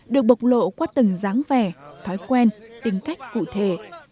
được bộc lộ qua từng dáng vẻ thói quen tính cách cụ thể